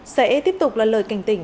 sẽ tiếp tục là lời cảnh tỉnh